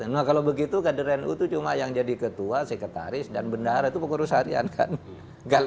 nah kalau begitu kader nu itu cuma yang jadi ketua sekretaris dan bendahara itu pengurus harian kan